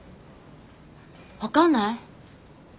分かんない？